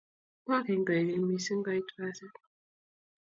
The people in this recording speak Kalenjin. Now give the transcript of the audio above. Makeny koekeny missing koit basit